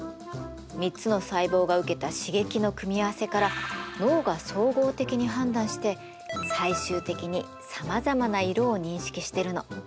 ３つの細胞が受けた刺激の組み合わせから脳が総合的に判断して最終的にさまざまな色を認識してるの。